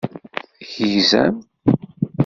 Tegzamt?